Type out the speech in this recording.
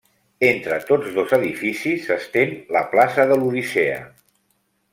Entre tots dos edificis s'estén la plaça de l'Odissea.